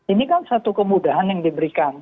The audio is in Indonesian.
ini kan satu kemudahan yang diberikan